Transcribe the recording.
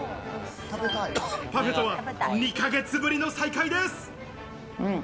パフェとは２ヶ月ぶりの再会です。